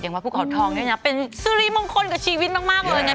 อย่างวัดผู้เขาทองเนี่ยนะเป็นซิริมงคลกับชีวิตมากแล้ว